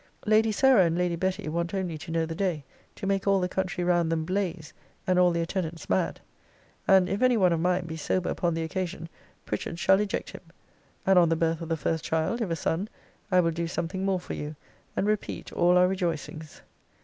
Lady Sarah and Lady Betty want only to know the day, to make all the country round them blaze, and all their tenants mad. And, if any one of mine be sober upon the occasion, Pritchard shall eject him. And, on the birth of the first child, if a son, I will do something more for you, and repeat all our rejoicings.